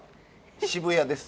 渋谷です。